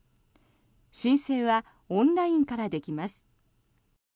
申請はオンラインからできます。